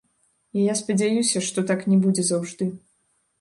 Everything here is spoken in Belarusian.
І я спадзяюся, што так не будзе заўжды.